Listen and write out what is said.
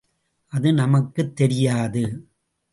அது நமக்குத் தெரியாது!